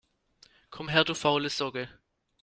Komm her, du faule Socke!